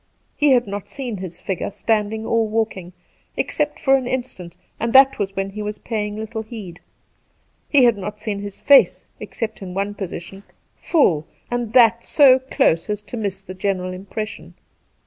He had not seen his figure, standing or walking, except for an instant, and that when he was paying little heed. He had not seen his face, except in one position — full — and that so close as to miss the general impression.